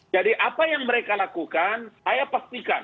jadi apa yang mereka lakukan saya pastikan